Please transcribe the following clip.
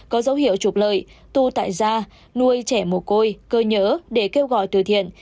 có dấu hiệu trục lợi tu tại gia nuôi trẻ mùa côi cơ nhỡ để kêu gọi từ thiện